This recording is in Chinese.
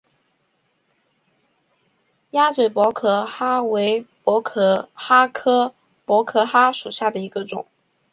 鸭嘴薄壳蛤为薄壳蛤科薄壳蛤属下的一个种。